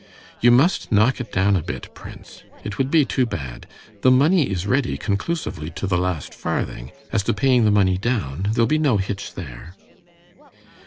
"You must knock it down a bit, prince. It would be too bad. The money is ready conclusively to the last farthing. As to paying the money down, there'll be no hitch there."